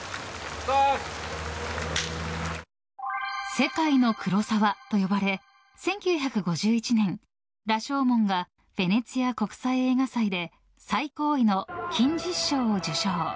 世界の黒澤と呼ばれ、１９５１年「羅生門」がベネツィア国際映画祭で最高位の金獅子賞を受賞。